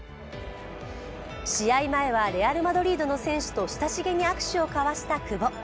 試合前はレアル・マドリードの選手と親しげに握手を交わした久保。